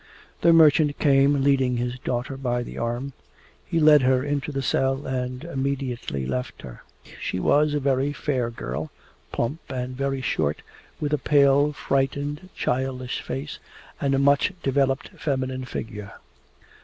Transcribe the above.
The merchant came, leading his daughter by the arm. He led her into the cell and immediately left her. She was a very fair girl, plump and very short, with a pale, frightened, childish face and a much developed feminine figure.